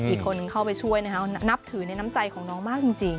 อีกคนนึงเข้าไปช่วยนะครับนับถือในน้ำใจของน้องมากจริง